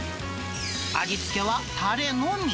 味付けはたれのみ。